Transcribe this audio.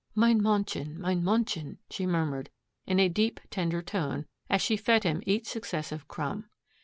'Mein Männchen, mein Männchen,' she murmured in a deep, tender tone, as she fed him each successive crumb.